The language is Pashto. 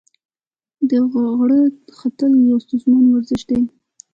د غره ختل یو ستونزمن ورزش دی.